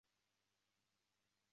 雄性的尾巴明显比雌性长。